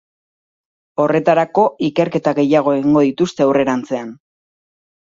Horretarako, ikerketa gehiago egingo dituzte aurrerantzean.